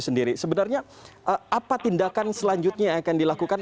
sebenarnya apa tindakan selanjutnya yang akan dilakukan